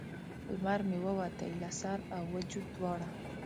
لمر مې ووتی له سر او وجود دواړه